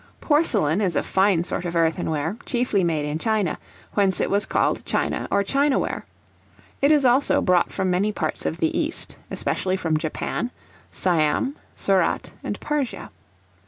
Porcelain is a fine sort of earthenware, chiefly made in China, whence it was called China or China ware; it is also brought from many parts of the East, especially from Japan, Siam, Surat, and Persia.